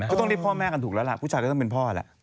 ก็ต้องเรียกพ่อแม่กันถูกแล้วล่ะผู้ชายก็ต้องเป็นพ่อแหละ